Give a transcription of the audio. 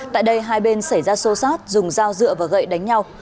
tại đây hai bên xảy ra xô xát dùng dao dựa và gậy đánh nhau